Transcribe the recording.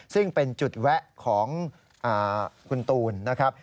ซึ่งเป็นจุดแวะของคุณตูนนะครับ